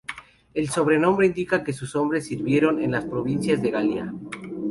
El sobrenombre indica que sus hombres sirvieron en las provincias de la Galia.